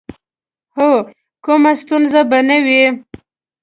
هو، کومه ستونزه به نه وي.